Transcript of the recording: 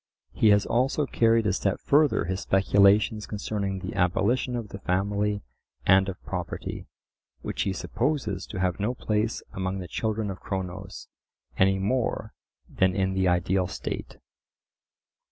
He has also carried a step further his speculations concerning the abolition of the family and of property, which he supposes to have no place among the children of Cronos any more than in the ideal state.